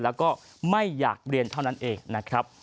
แล้วก็ไม่อยากเรียนเท่านั้นเองนะครับ